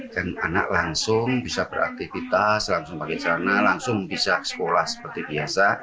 dan anak langsung bisa beraktivitas langsung pakai celana langsung bisa sekolah seperti biasa